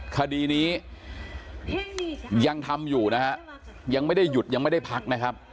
คดีนี้ยังทำอยู่นะฮะยังไม่ได้หยุดยังไม่ได้พักนะครับ